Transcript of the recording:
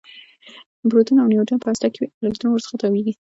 پروټون او نیوټرون په هسته کې وي او الکترون ورڅخه تاویږي